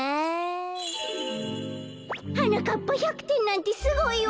「はなかっぱ１００てんなんてすごいわ。